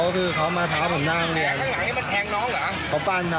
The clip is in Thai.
เค้ามาฟันทางไหนดีเลยหรอ